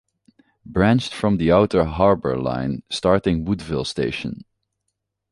Branched from the Outer Harbor line starting Woodville station.